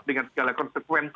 dengan segala konsekuensi